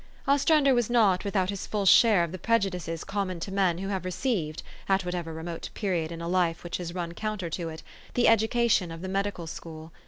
Ostrander was not without his full share of the prejudices common to men who have received, at whatever remote period in a life which has run counter to it, the education of the medical school.